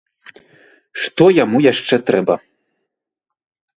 Што яму яшчэ трэба?